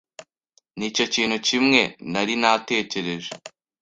Nicyo kintu kimwe ntari natekereje.